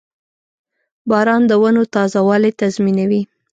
• باران د ونو تازهوالی تضمینوي.